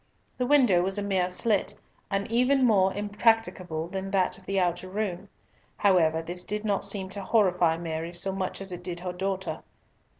The window was a mere slit, and even more impracticable than that of the outer room. However, this did not seem to horrify Mary so much as it did her daughter.